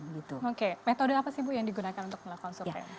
oke metode apa sih bu yang digunakan untuk melakukan survei